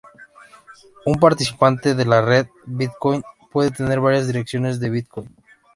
Un participante de la red Bitcoin puede tener varias direcciones de Bitcoin.